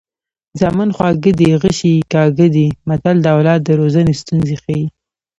زامن خواږه دي غشي یې کاږه دي متل د اولاد د روزنې ستونزې ښيي